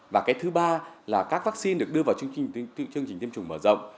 và cái thứ ba là các vaccine được đưa vào chương trình tiêm chủng mở rộng